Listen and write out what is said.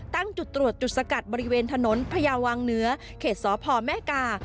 ตั้งจุดตรวจจุดสกัดบริเวณถนนพญาวังเหนือเขตสพแม่กา